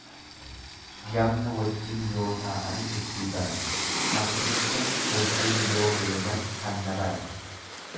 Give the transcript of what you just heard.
Gamna wajjin yoo taa'an dubbii baran, hatticha wajjin yoo deeman hanna baran.